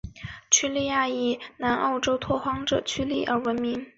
屈利岭以南澳州拓荒者屈利而命名。